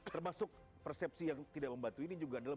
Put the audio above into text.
termasuk persepsi yang tidak membantu ini juga adalah